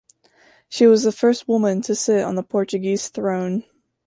She was the first woman to sit on the Portuguese throne.